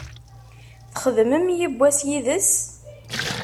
Txedmem yewwas yid-s?